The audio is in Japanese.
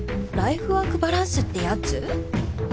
ライフワークバランスってやつ？